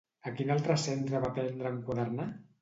A quin altre centre va aprendre a enquadernar?